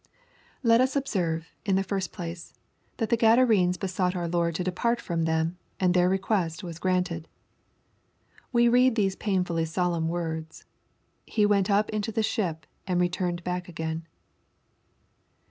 Let us observe, in the first place, that the Oadarenea besought our Lord to depart from them, and their request toa^s granted. We read these painfully solemn wordw —" He went up into the ship, and returned back again."